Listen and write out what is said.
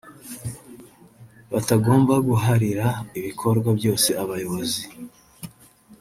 batagomba guharira ibikorwa byose abayobozi